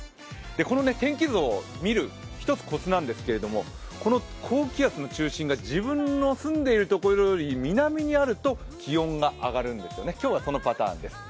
この天気図を見る一つこつなんですけれども、この高気圧の中心が自分の住んでいるところより南にあると気温が上がるんですよね、今日はそのパターンです。